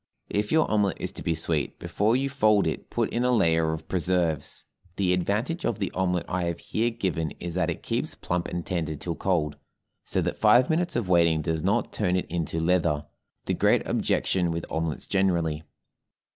If your omelet is to be sweet, before you fold it put in a layer of preserves. The advantage of the omelet I have here given is that it keeps plump and tender till cold, so that five minutes of waiting does not turn it into leather, the great objection with omelets generally.